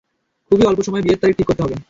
খুবই অল্প সময়ে বিয়ের তারিখ ঠিক করতে হবে।